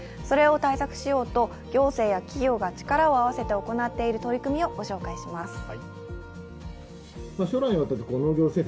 それを対策しようと行政や企業が力を合わせて行っている取り組みをご紹介します。